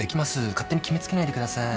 勝手に決め付けないでください。